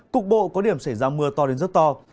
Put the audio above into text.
cục bộ có điểm xảy ra mưa to đến rất to